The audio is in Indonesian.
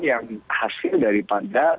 yang hasil daripada